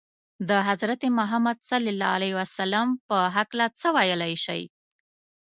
د حضرت محمد ﷺ په هکله څه ویلای شئ؟